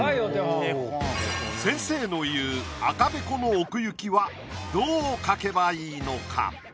先生の言う赤べこの奥行きはどう描けばいいのか？